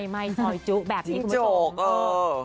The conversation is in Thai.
ไม่ซอยจุแบบนี้คุณผู้ชม